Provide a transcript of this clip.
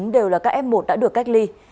đều là các f một đã được cách ly